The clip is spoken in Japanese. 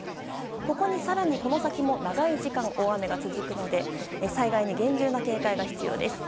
ここに更に、この先も長い時間大雨が続くので災害に厳重な警戒が必要です。